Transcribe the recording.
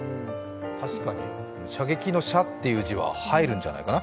確かに、射撃の「射」という字は入るんじゃないかな？